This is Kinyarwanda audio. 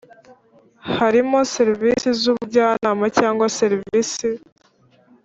Harimo serivisi z ubujyanama cyangwa serivisi